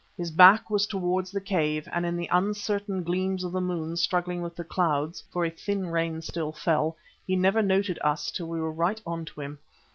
His back was towards the cave, and in the uncertain gleams of the moon, struggling with the clouds, for a thin rain still fell, he never noted us till we were right on to him.